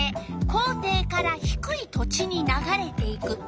「校庭からひくい土地にながれていく」。